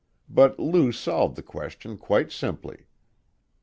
But Lou solved the question quite simply.